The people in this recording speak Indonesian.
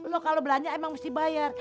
loh kalau belanja emang mesti bayar